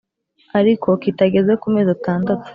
Ariko kitageze ku mezi atandatu